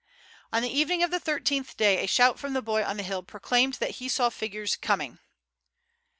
On the evening of the thirteenth day a shout from the boy on the hill proclaimed that he saw figures coming.